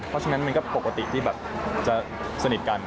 เพราะฉะนั้นมันก็ปกติที่แบบจะสนิทกัน